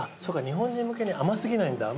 日本人向けに甘過ぎないんだ。